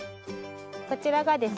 こちらがですね